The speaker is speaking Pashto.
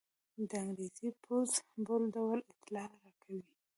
د انګرېز پوځ بل ډول اطلاع راکوي.